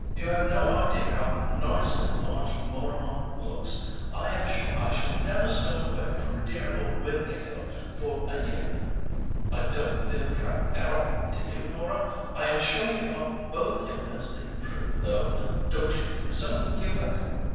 "You have no idea how nice and large Mooramah looks. I am sure I shall never stir away from dear old Windāhgil for a year. I don't feel proud at all, do you, Laura? I am sure we are both immensely improved, though. Don't you think so, Hubert?"